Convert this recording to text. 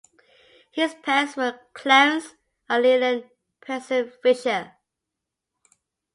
His parents were Clarence and Lillian Pierson Fishel.